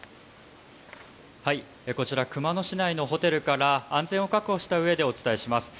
こちら熊野市内のホテルから安全を確保した上でお伝えします。